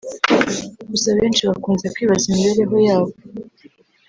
Gusa benshi bakunze kwibaza imibereho yabo